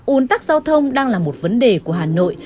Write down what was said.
un tắc giao thông đang là một vấn đề của hà nội